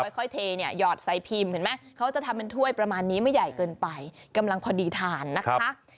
ค่อยเทเนี่ยหยอดใส่พิมพ์เห็นไหมเขาจะทำเป็นถ้วยประมาณนี้ไม่ใหญ่เกินไปกำลังพอดีทานนะคะ